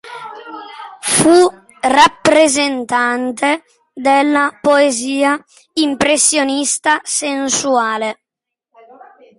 Fu rappresentante della poesia impressionista-sensuale.